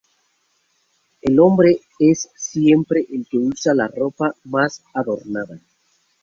El hombre es siempre el que usa la ropa más adornada.